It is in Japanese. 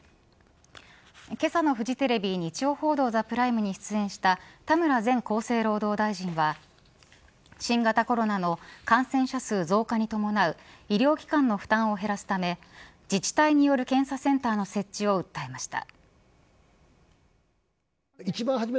けさのフジテレビ日曜報道ＴＨＥＰＲＩＭＥに出演した田村前厚生労働大臣は新型コロナの感染者数増加に伴う医療機関の負担を減らすため自治体による検査センターの設置を訴えました。